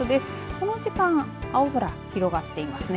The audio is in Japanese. この時間青空広がっていますね。